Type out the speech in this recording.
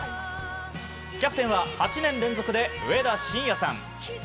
キャプテンは８年連続で上田晋也さん。